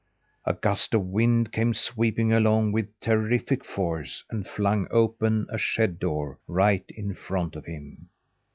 A gust of wind came sweeping along with terrific force and flung open a shed door right in front of him.